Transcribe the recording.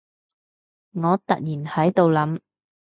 我突然喺度諗